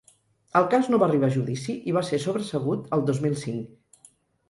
El cas no va arribar a judici i va ser sobresegut el dos mil cinc.